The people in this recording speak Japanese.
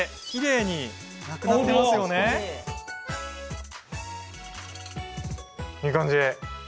いい感じ！